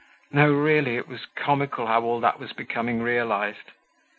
No, really, it was comical how all that was becoming realized!